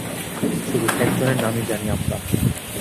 শুধু একজনের নামই জানি আমরা।